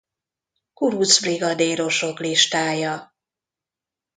Kuruc brigadérosok listája